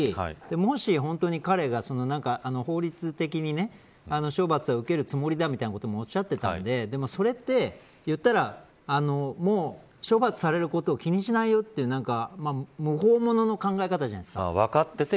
もし彼が本当に法律的に処罰は受けるつもりだみたいなこともおっしゃっていたのででも、それって言ったら処罰されることを気にしないよという無法者の考え方じゃないですか。